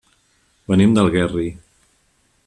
Venim d'Algerri.